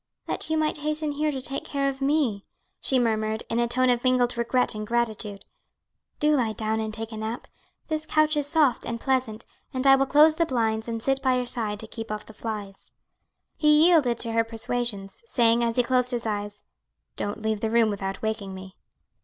"That you might hasten here to take care of me," she murmured in a tone of mingled regret and gratitude. "Do lie down now and take a nap. This couch is soft and pleasant, and I will close the blinds and sit by your side to keep off the flies." He yielded to her persuasions, saying as he closed his eyes, "Don't leave the room without waking me."